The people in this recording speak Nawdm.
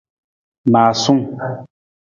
Maasung.